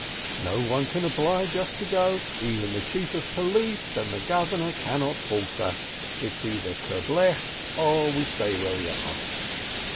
Xo one can oblige us to go, even the chief of police and the governor cannot force us — either it's kerblech, or we stay where we are."